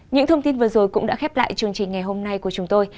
những thông tin vừa rồi cũng đã khép lại chương trình ngày hôm nay của chúng tôi